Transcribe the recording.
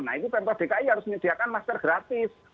nah itu pemprov dki harus menyediakan masker gratis